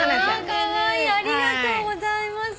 カワイイありがとうございます。